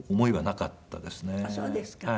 あっそうですか。